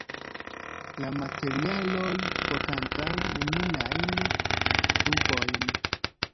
La materialoj, vokantaj neniajn dubojn.